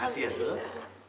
makasih ya sus